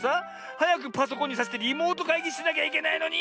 はやくパソコンにさしてリモートかいぎしなきゃいけないのに！